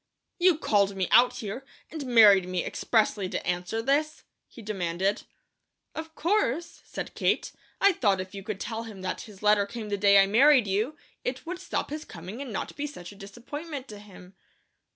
"You called me out here, and married me expressly to answer this?" he demanded. "Of course!" said Kate. "I thought if you could tell him that his letter came the day I married you, it would stop his coming, and not be such a disappointment to him."